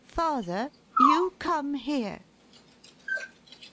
" Father, you come here."